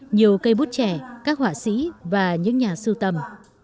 nhiều cây bút trẻ các họa sĩ và những nhà sưu tầm